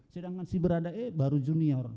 sedangkan si berade baru junior